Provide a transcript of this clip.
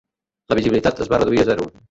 La visibilitat es va reduir a zero.